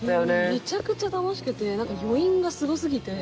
めちゃくちゃ楽しくて余韻がすごすぎて。